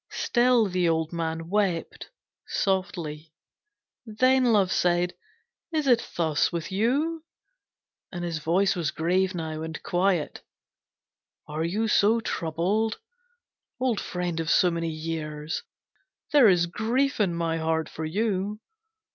Still the old man wept softly. Then Love said: 'Is it thus with you?' and his voice was grave now and quiet. 'Are you so troubled? Old friend of so many years, there is grief in my heart for you.